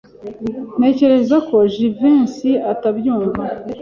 Ntekereza ko Jivency atabyumva.